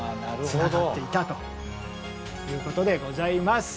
つながっていたということでございます。